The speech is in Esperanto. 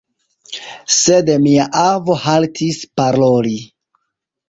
Sed mia avo haltis paroli.